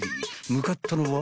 ［向かったのは］